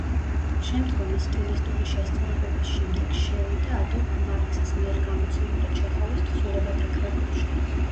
შემდგომი სტილისტური შესწორებების შემდეგ შევიდა ადოლფ მარქსის მიერ გამოცემული ჩეხოვის თხზულებათა კრებულში.